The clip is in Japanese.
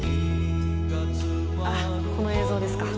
ああっ、この映像ですか。